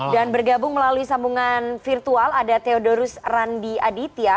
dan bergabung melalui sambungan virtual ada theodorus randi aditya